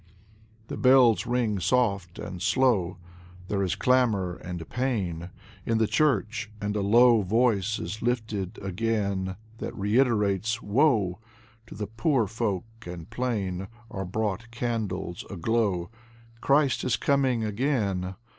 The bells ring soft and slow, There is clamor and pain In the church, and a low Voice is lifted again That reiterates: "Woe!" To the poor folk and plain Are brought candles aglow: "Christ is coming again!"